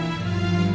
aku mau ke sana